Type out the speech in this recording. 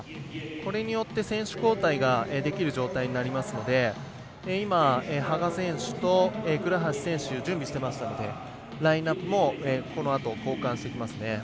これによって選手交代ができますので羽賀選手と倉橋選手準備してましたのでラインアップもこのあと交換してきますね。